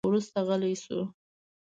وروسته غلی شو.